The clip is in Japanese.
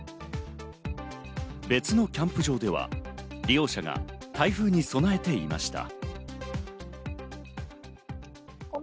別のキャンプ場では、利用者が台風に備えていました。